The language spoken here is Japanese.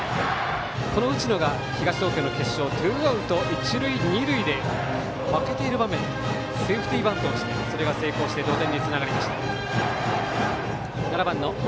打野が東東京の決勝ツーアウト一塁二塁で負けている場面セーフティーバントをしてそれが成功して同点につながりました。